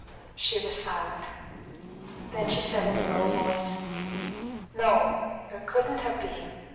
She was silent. Then she said, in a low voice: "No, there couldn't have been.